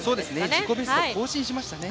自己ベストを更新しましたね。